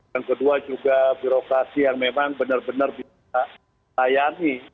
yang kedua juga birokrasi yang memang benar benar bisa layani